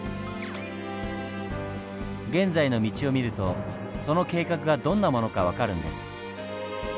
現在の道を見るとその計画がどんなものか分かるんです。